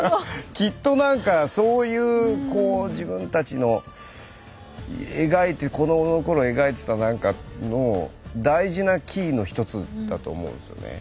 きっとなんかそういう自分たちの子どもの頃描いていた何かも大事なキーの一つだと思うんですよね。